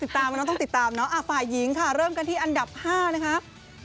ตามมันต้องติดตามเนาะฝ่ายหญิงค่ะเริ่มกันที่อันดับ๕นะคะ